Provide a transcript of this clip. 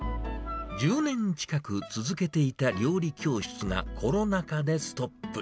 １０年近く続けていた料理教室がコロナ禍でストップ。